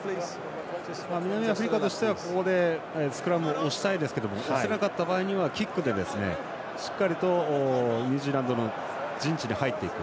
南アフリカとしてはここでスクラムを押したいですが押せなかった場合にはキックでしっかりとニュージーランドの陣地に入っていく。